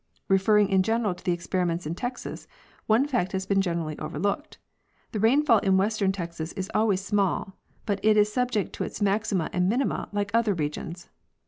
Referring in general to the experiments in Texas, one fact has been generally overlooked. The rainfall in western Texas is always small, but it is subject to its maxima and minima, like other regions.